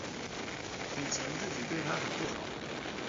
以前自己对她很不好